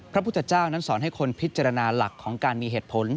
พระพุทธเจ้านั้นสอนให้คนพิจารณาหลักของการมีเหตุผล